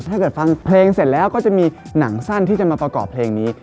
ถ้าเกิดฟังเพลงเสร็จแล้วก็จะมีหนังสั้นที่จะมาประกอบเพลงนี้